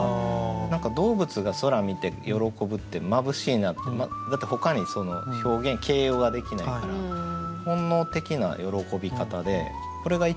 何か動物が空見て喜ぶって眩しいなってだってほかに表現形容ができないから本能的な喜び方でこれが一番喜んでるんじゃないかなと。